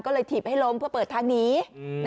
ก็เลยถีบให้ลงเพื่อเปิดทางกล่อกื่น